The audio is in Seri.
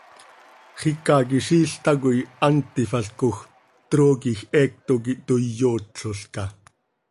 Xicaquiziil tacoi hant tífalcoj, trooquij heecto quih toii iyootlolca.